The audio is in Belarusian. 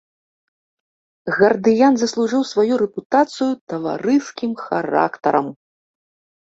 Гардыян заслужыў сваю рэпутацыю таварыскім характарам.